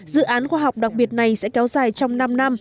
dự án khoa học đặc biệt này sẽ kéo dài trong năm năm